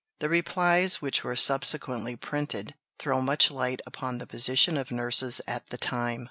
The replies which were subsequently printed throw much light upon the position of nurses at the time.